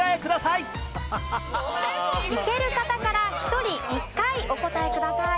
いける方から１人１回お答えください。